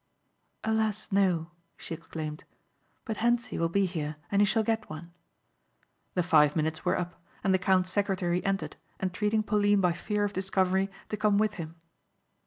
"Alas, no," she exclaimed, "but Hentzi will be here and he shall get one." The five minutes were up and the count's secretary entered entreating Pauline by fear of discovery to come with him.